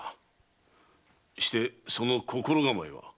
してその心構えは？